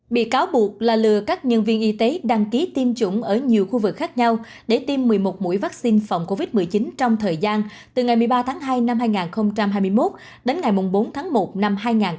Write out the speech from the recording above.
bị cáo buộc là lừa các nhân viên y tế đăng ký tiêm chủng ở nhiều khu vực khác nhau để tiêm một mươi một mũi vaccine phòng covid một mươi chín trong thời gian từ ngày một mươi ba tháng hai năm hai nghìn hai mươi một đến ngày bốn tháng một năm hai nghìn hai mươi